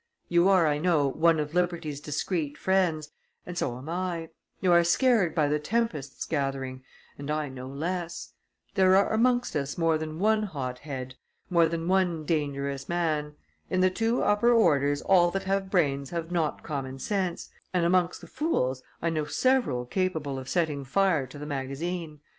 You are, I know, one of liberty's discreet friends, and so am I; you are scared by the tempests gathering, and I no less; there are amongst us more than one hot head, more than one dangerous man; in the two upper orders all that have brains have not common sense, and amongst the fools I know several capable of setting fire to the magazine.